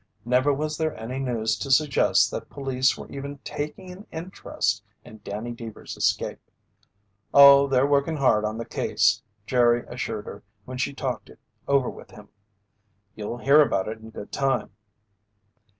Never was there any news to suggest that police were even taking an interest in Danny Deevers' escape. "Oh, they're working hard on the case," Jerry assured her when she talked it over with him. "You'll hear about it in good time."